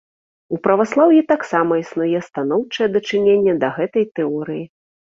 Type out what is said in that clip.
У праваслаўі таксама існуе станоўчае дачыненне да гэтай тэорыі.